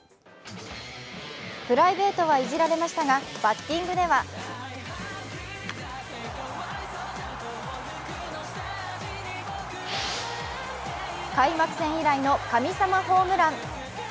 プライベートはいじられましたが、バッティングでは開幕戦以来の神様ホームラン。